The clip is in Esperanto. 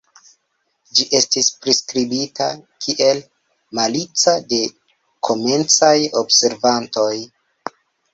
Ĝi estis priskribita kiel "malica" de komencaj observantoj.